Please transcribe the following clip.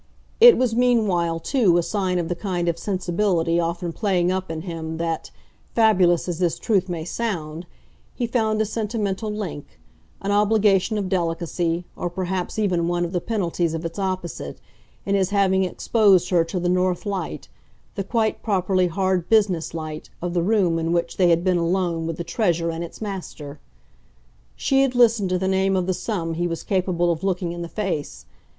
It was meanwhile too a sign of the kind of sensibility often playing up in him that fabulous as this truth may sound he found a sentimental link, an obligation of delicacy, or perhaps even one of the penalties of its opposite, in his having exposed her to the north light, the quite properly hard business light, of the room in which they had been alone with the treasure and its master. She had listened to the name of the sum he was capable of looking in the face.